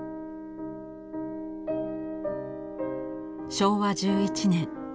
昭和１１年。